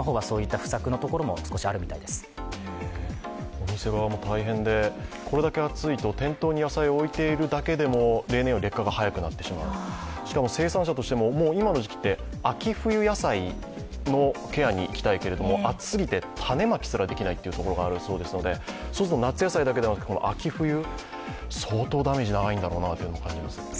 お店側も大変で、これだけ暑いと店頭に野菜を置いているだけで例年より劣化が早くなってしまう、しかも、生産者としても、今の時期、秋冬野菜のケアにいきたいけれども暑すぎて種まきすらできないというところがあるそうですのでそうすると夏野菜だけではなく秋冬、相当ダメージ長いんだろうなという気がします。